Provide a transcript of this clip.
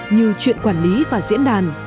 như chuyện quản lý và diễn đàn